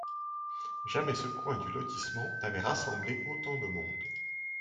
Jamais ce coin du lotissement n’avait rassemblé autant de monde.